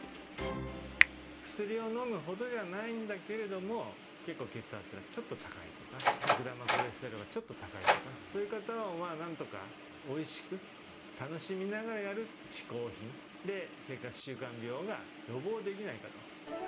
薬を飲むほどじゃないんだけれども、結構血圧がちょっと高いとか、悪玉コレステロールがちょっと高いとか、そういう方がなんとかおいしく楽しみながらやるしこう品で、生活習慣病が予防できないかと。